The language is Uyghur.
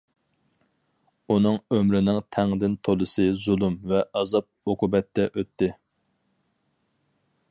ئۇنىڭ ئۆمرىنىڭ تەڭدىن تولىسى زۇلۇم ۋە ئازاب- ئوقۇبەتتە ئۆتتى.